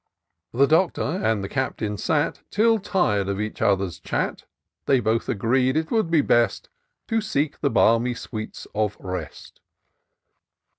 The Doctor and the Captain sat. Till tir'd of each other's chat. They both agreed it would be best To seek the balmy sweets of rest.